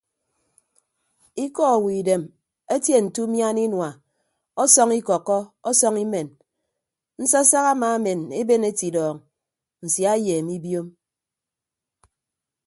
Ikọ owo idem etie nte umiana inua ọsọñ ikọkkọ ọsọñ imen nsasak amaamen eben etidọọñ nsia eyeeme ibiom.